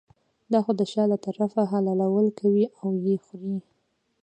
دا خو د شا له طرفه حلالول کوي او یې خوري.